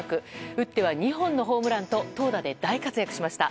打っては２本のホームランと投打で大活躍しました。